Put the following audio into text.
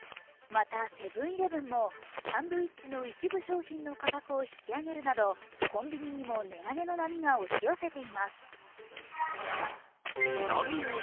また、セブン−イレブンもサンドイッチの一部商品の価格を引き上げるなど、コンビニにも値上げの波が押し寄せています。